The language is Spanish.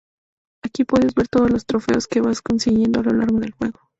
Aquí puedes ver todos los trofeos que vas consiguiendo a lo largo del juego.